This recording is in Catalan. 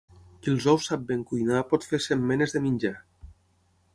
Qui els ous sap ben cuinar pot fer cent menes de menjar.